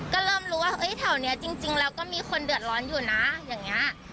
ก็เริ่มรู้ว่าเฮ้ยแถวเนี้ยจริงจริงแล้วก็มีคนเดือดร้อนอยู่น่ะอย่างเงี้ย